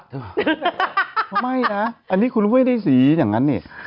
เขาไม่นะอันนี้คุณไม่ได้สีอย่างนั้นนี่